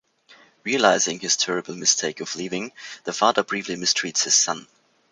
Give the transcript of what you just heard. Realizing his terrible mistake of leaving, the father briefly mistreats his son.